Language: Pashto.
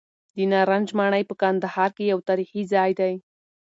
د نارنج ماڼۍ په کندهار کې یو تاریخي ځای دی.